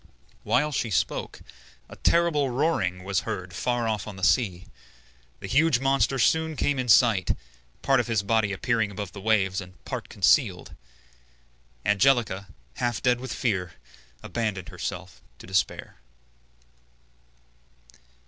While she spoke, a terrible roaring was heard far off on the sea. The huge monster soon came in sight, part of his body appearing above the waves and part concealed. Angelica, half dead with fear, abandoned herself to despair.